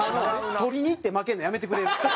取りにいって負けるのやめてくれる？